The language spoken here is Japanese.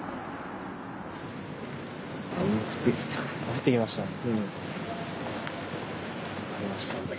降ってきましたね。